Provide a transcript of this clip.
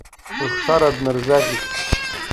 Рыхшара днарзаӷьит.